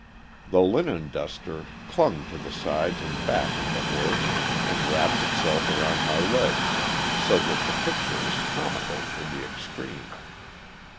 The linen duster clung to the sides and back of the horse, and wrapped itself around my legs so that the picture was comical in the extreme.